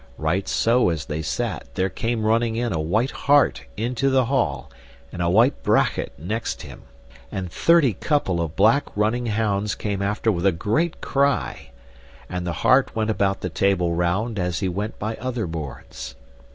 Right so as they sat there came running in a white hart into the hall, and a white brachet next him, and thirty couple of black running hounds came after with a great cry, and the hart went about the Table Round as he went by other boards.